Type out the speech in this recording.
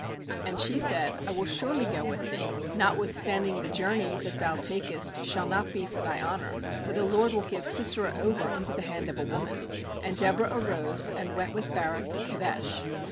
9And she said: 'I will surely go with thee; notwithstanding the journey that thou takest shall not be for thy honour; for the LORD will give Sisera over into the hand of a woman/ And Deborah arose, and went with Barak to Kedesh.